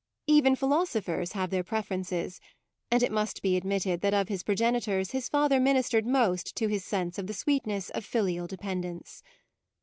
Even philosophers have their preferences, and it must be admitted that of his progenitors his father ministered most to his sense of the sweetness of filial dependence.